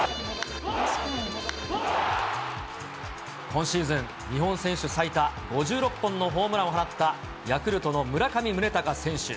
今シーズン、日本選手最多、５６本のホームランを放った、ヤクルトの村上宗隆選手。